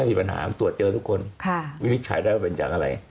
วิธิค้ายได้ว่าเป็นจากอะไร